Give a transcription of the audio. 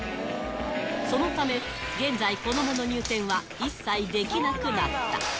そのため、現在、子どもの入店は一切できなくなった。